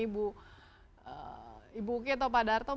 ibu uki atau pak darto